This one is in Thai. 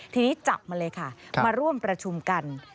ทีนี้จับมาเลยค่ะมาร่วมประชุมกัน